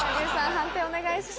判定お願いします。